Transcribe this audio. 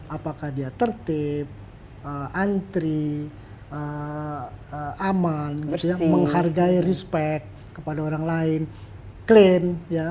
apakah dia tertib antri aman menghargai respect kepada orang lain clean